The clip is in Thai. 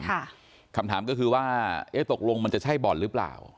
คำถามก็คือว่าเอ๊ะตกลงมันจะใช่บ่อนหรือเปล่า